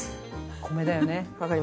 米だよね。